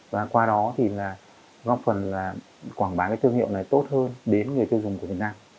và qua đó thì là góp phần là quảng bá cái thương hiệu này tốt hơn đến người tiêu dùng của việt nam